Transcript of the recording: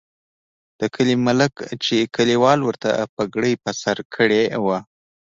د کلي ملک چې کلیوالو ورته پګړۍ په سر کړې وه.